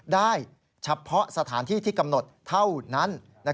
ได้เฉพาะสถานที่ที่กำหนดเท่านั้น